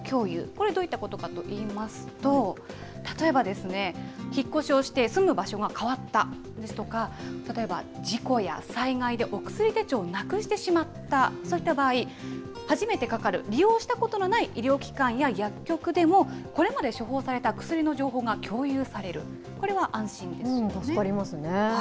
これ、どういったことかといいますと、例えば、引っ越しをして住む場所が変わったですとか、例えば事故や災害でお薬手帳をなくしてしまった、そういった場合、初めてかかる利用したことのない医療機関や薬局でも、これまで処方された薬の情報が共有される、これは安心ですね。